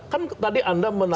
kan tadi anda menanya